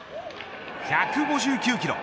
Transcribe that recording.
１５９キロ。